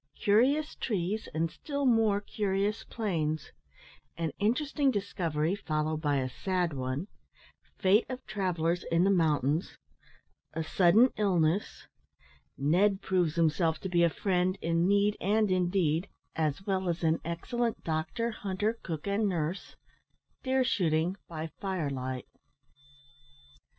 CURIOUS TREES, AND STILL MORE CURIOUS PLAINS AN INTERESTING DISCOVERY, FOLLOWED BY A SAD ONE FATE OF TRAVELLERS IN THE MOUNTAINS A SUDDEN ILLNESS NED PROVES HIMSELF TO BE A FRIEND IN NEED AND IN DEED, AS WELL AS AN EXCELLENT DOCTOR, HUNTER, COOK, AND NURSE DEER SHOOTING BY FIRELIGHT.